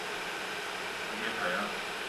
그게 다야.